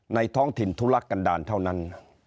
ท้องถิ่นทุลักกันดาลเท่านั้น